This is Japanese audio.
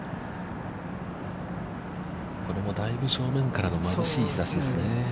これもだいぶ正面からのまぶしい日差しですね。